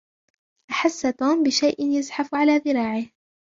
أحس توم بشيء يزحف على ذراعه.